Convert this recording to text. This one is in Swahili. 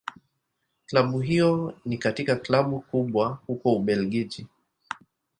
Klabu hiyo ni katika Klabu kubwa huko Ubelgiji.